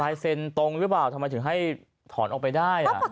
เซ็นตรงหรือเปล่าทำไมถึงให้ถอนออกไปได้